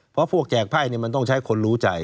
เพราะพวกแจกไพ่มันต้องใช้คนรู้ใจ